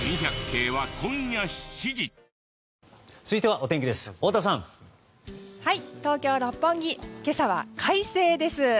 続いてはお天気です。